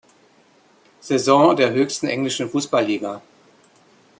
Saison der höchsten englischen Fußballliga.